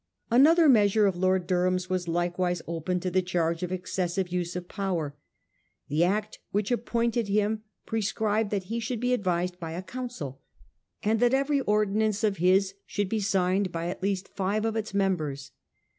Another measure of Lord Durham's was likewise open to the charge of excessive use of power. The act which appointed him prescribed that he should be advised by a council, and that every ordinance of his should be signed by at least five of its mem bers.